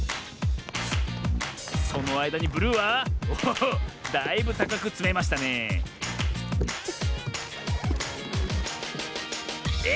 そのあいだにブルーはおおだいぶたかくつめましたねええ